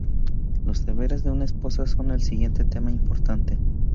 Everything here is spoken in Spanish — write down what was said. Los deberes de una esposa son el siguiente tema importante.